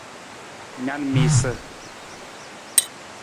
Na na miisa.